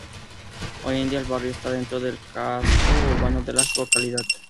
Hoy en día el barrio está dentro del casco urbano de la localidad.